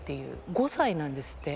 ５歳なんですって。